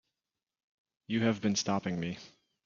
You have been stopping me.